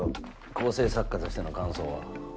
構成作家としての感想は。